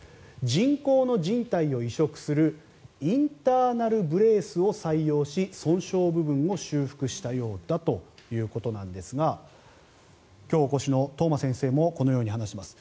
人工のじん帯を移植するインターナル・ブレースを採用し損傷部分を修復したようだということなんですが今日お越しの藤間先生もこのように話しています。